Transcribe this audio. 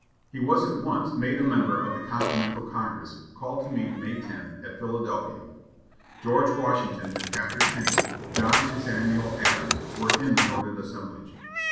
He was at once made a member of the Continental Congress, called to meet May 10, at Philadelphia. George Washington and Patrick Henry, John and Samuel Adams, were in the noted assemblage.